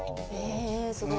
えーすごい。